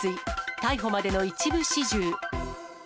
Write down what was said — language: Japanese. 逮捕までの一部始終。